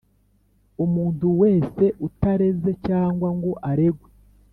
Umuntu wese utareze cyangwa ngo aregwe